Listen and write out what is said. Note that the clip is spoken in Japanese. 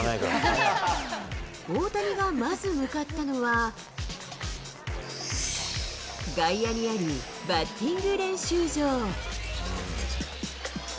大谷がまず向かったのは、外野にあるバッティング練習場。